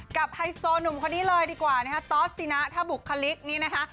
ไฮโซหนุ่มคนนี้เลยดีกว่านะฮะตอสสินะถ้าบุคลิกนี้นะคะ